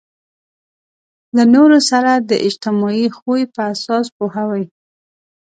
له نورو سره د اجتماعي خوی په اساس پوهوي.